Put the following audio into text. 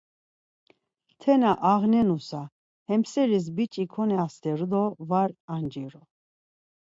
Tena ağne nusa, hem seris biç̌i konasteru do var anciru.